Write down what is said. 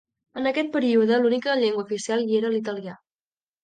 En aquest període l'única llengua oficial hi era l'italià.